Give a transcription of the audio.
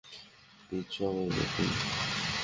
Please সবাই বসুন।